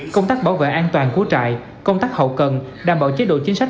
công tác bảo vệ an toàn của trại công tác hậu cần đảm bảo chế độ chính sách